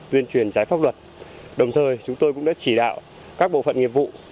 tuyên truyền trái pháp luật đồng thời chúng tôi cũng đã chỉ đạo các bộ phận nghiệp vụ